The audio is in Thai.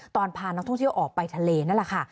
พานักท่องเที่ยวออกไปทะเลนั่นแหละค่ะ